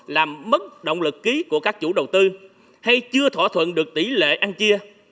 làm mất động lực ký của các chủ đầu tư hay chưa thỏa thuận được tỷ lệ ăn chia